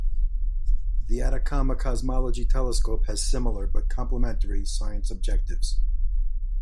The Atacama Cosmology Telescope has similar, but complementary, science objectives.